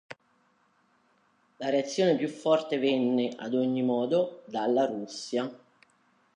La reazione più forte venne, ad ogni modo, dalla Russia.